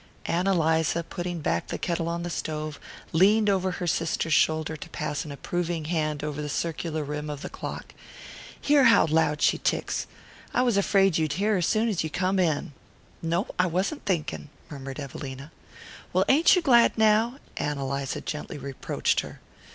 Ann Eliza, putting back the kettle on the stove, leaned over her sister's shoulder to pass an approving hand over the circular rim of the clock. "Hear how loud she ticks. I was afraid you'd hear her soon as you come in." "No. I wasn't thinking," murmured Evelina. "Well, ain't you glad now?" Ann Eliza gently reproached her.